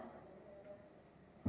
saya memohon kepada